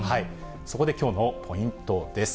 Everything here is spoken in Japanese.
そこできょうのポイントです。